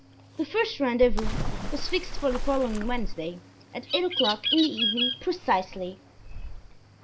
The first rendezvous was fixed for the following Wednesday, at eight o'clock in the evening precisely.